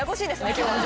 今日はね。